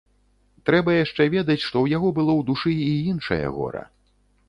Трэба яшчэ ведаць, што ў яго было ў душы і іншае гора.